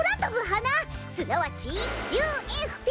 すなわちＵＦＰ！